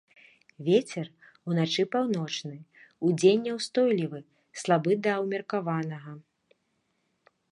Вецер уначы паўночны, удзень няўстойлівы слабы да ўмеркаванага.